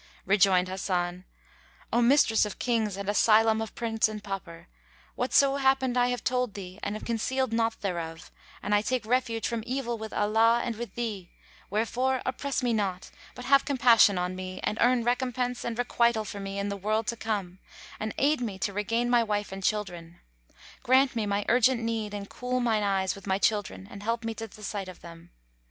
Rejoined Hasan, "O mistress of Kings and asylum of prince and pauper, whatso happened I have told thee and have concealed naught thereof, and I take refuge from evil with Allah and with thee; wherefore oppress me not, but have compassion on me and earn recompense and requital for me in the world to come, and aid me to regain my wife and children. Grant me my urgent need and cool mine eyes with my children and help me to the sight of them."